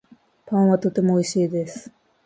パンはとてもおいしいです